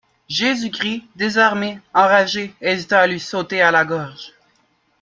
Jésus-Christ, désarmé, enragé, hésita à lui sauter à la gorge.